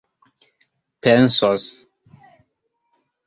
pensos